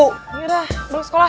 yaudah mau ke sekolah